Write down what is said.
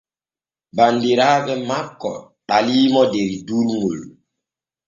Banniraaɓe makko ɗaliimo der durŋol.